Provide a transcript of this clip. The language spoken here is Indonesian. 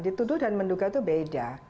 dituduh dan menduga itu beda